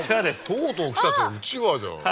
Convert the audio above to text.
とうとうきたってうちわじゃん。